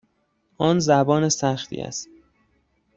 آن زبان سختی است.